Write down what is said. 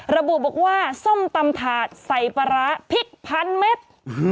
ระบุบอกว่าส้มตำถาดใส่ปลาร้าพริกพันเม็ด